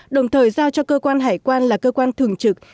đồng thời giao cho cơ quan hải quan là cơ quan thường trực